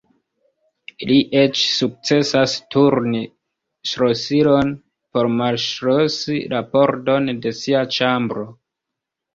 Li eĉ sukcesas turni ŝlosilon por malŝlosi la pordon de sia ĉambro.